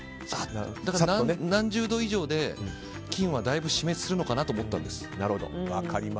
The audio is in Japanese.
だから何十度以上で菌はだいぶ死滅するのかなと思ったんです。